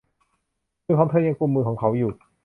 มือของเธอยังกุมมือของเขาอยู่